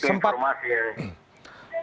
ya seperti itu informasi